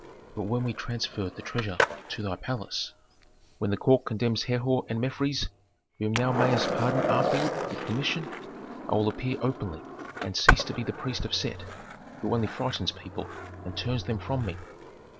But when we transfer the treasure to thy palace, when the court condemns Herhor and Mefres whom thou mayst pardon afterward, with permission, I will appear openly and cease to be the priest of Set, who only frightens people and turns them from me."